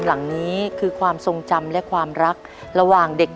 หลังนี้คือความทรงจำ